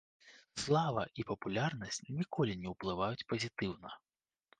Слава і папулярнасць ніколі не ўплываюць пазітыўна.